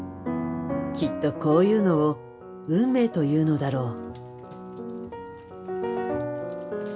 きっとこういうのを運命というのだろう。